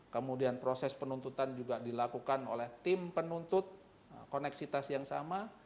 kemudian proses penuntutan juga dilakukan oleh tim penuntut koneksitas yang sama